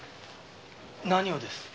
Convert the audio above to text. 何をです？